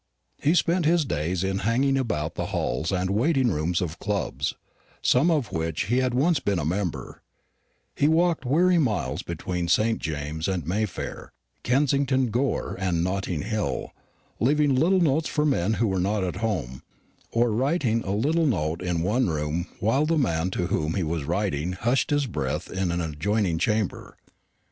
He spent his days in hanging about the halls and waiting rooms of clubs of some of which he had once been a member; he walked weary miles between St James's and Mayfair, Kensington Gore and Notting Hill, leaving little notes for men who were not at home, or writing a little note in one room while the man to whom he was writing hushed his breath in an adjoining chamber.